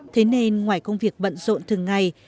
thế nên ngoài công việc bận rộn thường ngày